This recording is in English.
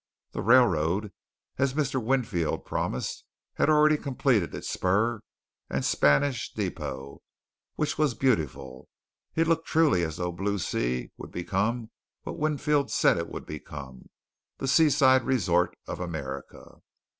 The railroad, as Mr. Winfield promised, had already completed its spur and Spanish depot, which was beautiful. It looked truly as though Blue Sea would become what Winfield said it would become; the seaside resort of America.